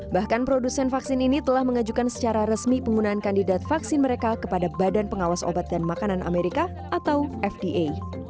bahkan produsen vaksin ini telah mengajukan secara resmi penggunaan kandidat vaksin mereka kepada badan pengawas obat dan makanan amerika atau fda